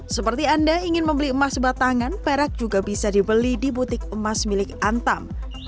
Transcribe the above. seperti anda ingin membeli emas batangan perak juga bisa dibeli di butik emas milik antam